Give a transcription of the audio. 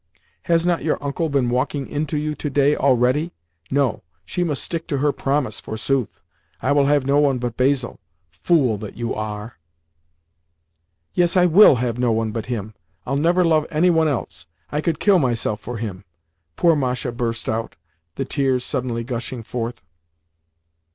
"Has not your uncle been walking into you to day already? No; she must stick to her promise, forsooth! 'I will have no one but Basil,' Fool that you are!" "Yes, I will have no one but him! I'll never love any one else! I could kill myself for him!" poor Masha burst out, the tears suddenly gushing forth.